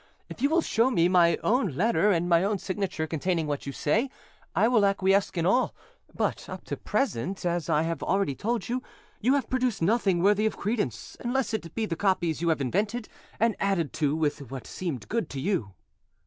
If you will show me my own letter and my own signature containing what you say, I will acquiesce in all; but up to the present, as I have already told you, you have produced nothing worthy of credence, unless it be the copies you have invented and added to with what seemed good to you."